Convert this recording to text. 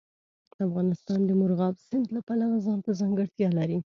افغانستان د مورغاب سیند د پلوه ځانته ځانګړتیا لري.